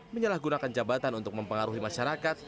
menyalahgunakan jabatan untuk mempengaruhi masyarakat